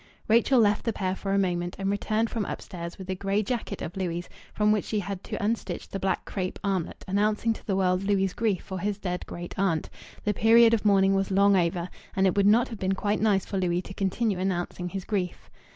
Rachel left the pair for a moment, and returned from upstairs with a grey jacket of Louis' from which she had to unstitch the black crêpe armlet announcing to the world Louis' grief for his dead great aunt; the period of mourning was long over, and it would not have been quite nice for Louis to continue announcing his grief.